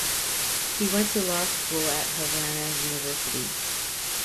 He went to law school at Havana University.